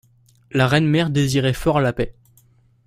La reine mère désirait fort la paix.